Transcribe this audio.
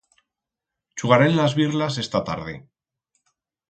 Chugarem las birlas esta tarde.